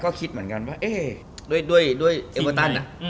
ก็คิดเหมือนกันว่าเอ๊ะด้วยเอเวอร์ตัน